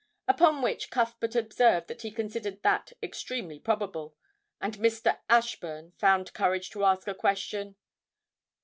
Upon which Cuthbert observed that he considered that extremely probable, and Mr. Ashburn found courage to ask a question.